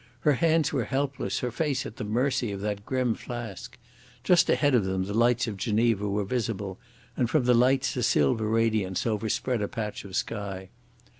Her hands were helpless, her face at the mercy of that grim flask. Just ahead of them the lights of Geneva were visible, and from the lights a silver radiance overspread a patch of sky.